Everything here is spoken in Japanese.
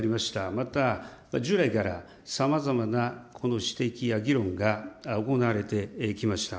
また、従来からさまざまなこの指摘や議論が行われてきました。